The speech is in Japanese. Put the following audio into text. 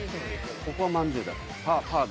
ここはまんじゅうだろ。